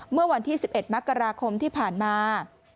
เมื่อวันที่๑๑มกราคมที่ผ่านมา